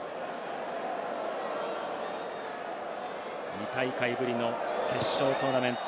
２大会ぶりの決勝トーナメント